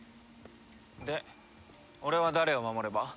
で俺は誰を守れば？